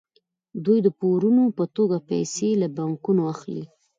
دوی د پورونو په توګه پیسې له بانکونو اخلي